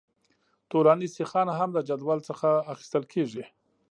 طولاني سیخان هم د جدول څخه اخیستل کیږي